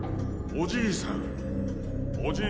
おじいさん？